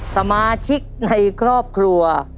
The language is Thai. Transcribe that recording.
สมาชิกในครอบครัว